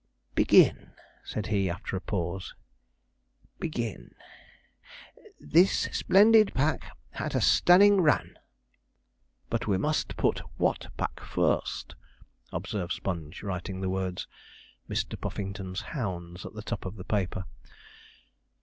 'Begin,' said he, after a pause, 'begin, "This splendid pack had a stunning run."' 'But we must put what pack first,' observed Sponge, writing the words 'Mr. Puffington's hounds' at the top of the paper.